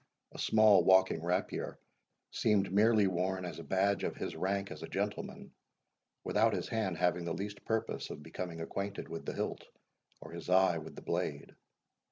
A small walking rapier seemed merely worn as a badge of his rank as a gentleman, without his hand having the least purpose of becoming acquainted with the hilt, or his eye with the blade.